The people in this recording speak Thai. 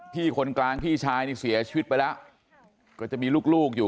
คนกลางพี่ชายนี่เสียชีวิตไปแล้วก็จะมีลูกอยู่